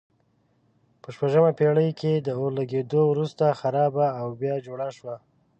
په شپږمه پېړۍ کې د اور لګېدو وروسته خرابه او بیا جوړه شوه.